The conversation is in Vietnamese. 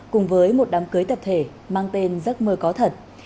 cùng với một đám cưới tập thể mang tên giấc mơ có thật